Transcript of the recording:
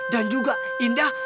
dan juga indah